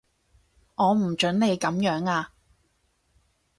我唔準你噉樣啊